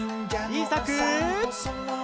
ちいさく。